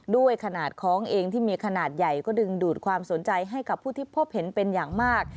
ด้วยขนาดคล้องเองที่มีขนาดใหญ่ก็ดึงดูดความสนใจให้กับผู้ที่พบเห็นเป็นอย่างมาก